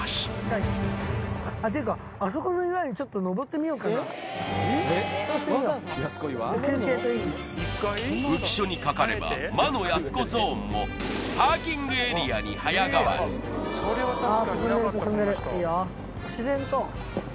ていうかちょっと浮所にかかれば魔のやす子ゾーンもパーキングエリアに早変わりいいよ